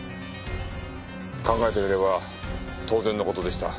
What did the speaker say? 考えてみれば当然の事でした。